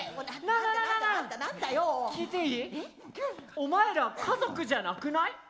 お前ら家族じゃなくない？